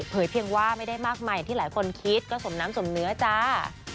เพียงว่าไม่ได้มากมายอย่างที่หลายคนคิดก็สมน้ำสมเนื้อจ้า